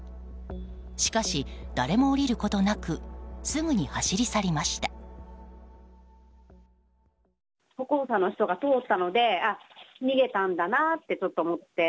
しかし、だれも降りることなくすぐに走り去りました。